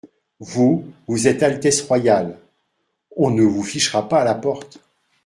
Vous, vous êtes Altesse Royale, on ne vous fichera pas à la porte !